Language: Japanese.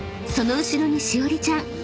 その後ろにしおりちゃん